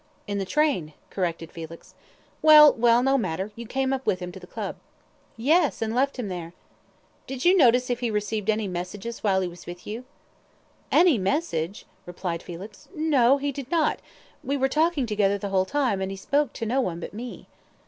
"In the train," corrected Felix. "Well, well, no matter, you came up with him to the Club." "Yes, and left him there." "Did you notice if he received any message while he was with you?" "Any message?" repeated Felix. "No, he did not; we were talking together the whole time, and he spoke to no one but me."